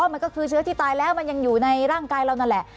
มันก็คือเชื้อที่ตายแล้วมันยังอยู่ในร่างกายเรานั่นแหละ